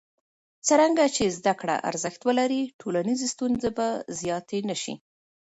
څرنګه چې زده کړه ارزښت ولري، ټولنیزې ستونزې به زیاتې نه شي.